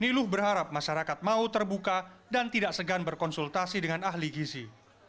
niluh berharap masyarakat mau terbuka dan tidak segan berkonsultasi dengan ahli gizi